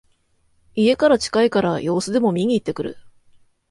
家から近いから様子でも見にいってくる